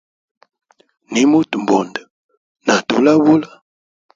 Nimuta mbundu na tulabula.